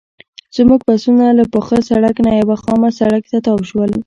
زموږ بسونه له پاخه سړک نه یوه خامه سړک ته تاو شول.